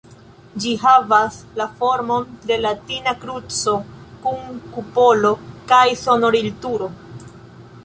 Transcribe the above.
Ĝi havas la formon de latina kruco, kun kupolo kaj sonorilturo.